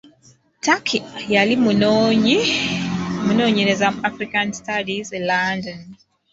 Tucker yali munoonyereza mu African studies e London.